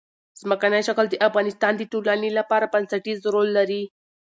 ځمکنی شکل د افغانستان د ټولنې لپاره بنسټيز رول لري.